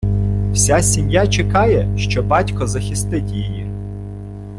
Вся сім’я чекає, що батько захистить її.